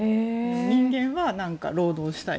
人間は労働したい。